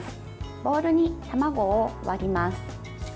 ボウルに卵を割ります。